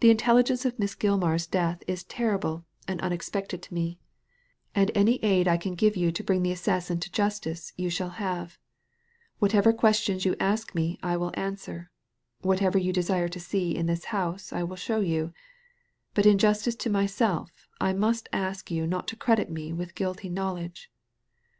The intelligence of Miss Gilmar's death is terrible and unexpected to me ; and any aid Digitized by Google 94 THE LADY FROM NOWHERE I can give you to bring the assassin to justice 3^u shall have. Whatever questions you ask me I will answer ; whatever you desire to see in this house I will show you ; but in justice to myself, I must ask you not to credit me with guilty knowledge."